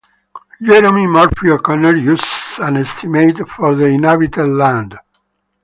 Jerome Murphy-O'Connor uses an estimate of for the inhabited land.